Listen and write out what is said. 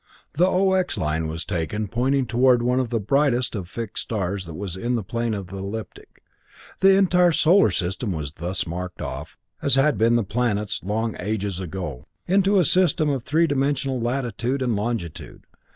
The OX line was taken pointing toward one of the brightest of the fixed stars that was in the plane of the elliptic. The entire solar system was thus marked off as had been the planets long ages before, into a system of three dimensional latitude and longitude.